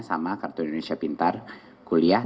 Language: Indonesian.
sama kartu indonesia pintar kuliah